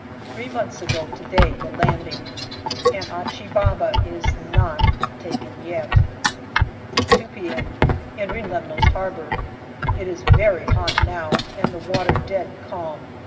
Three months ago to day the landing, and Achi Baba is not taken yet. JULY 171 2 p.m. Entering Lemnos Harbour. It is very hot now, and the water dead calm.